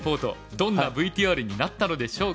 どんなＶＴＲになったのでしょうか？